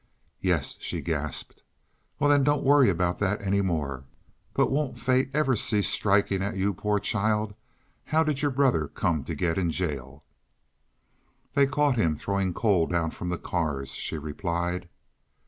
"Yes," she gasped. "Well, then, don't worry about that any more. But won't fate ever cease striking at you, poor child? How did your brother come to get in jail?" "They caught him throwing coal down from the cars," she replied.